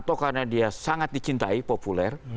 atau karena dia sangat dicintai populer